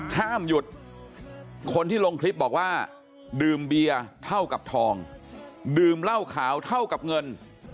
ห้ามหยุดคนที่ลงคลิปบอกว่าดื่มเบียร์เท่ากับทองดื่มเหล้าขาวเท่ากับเงิน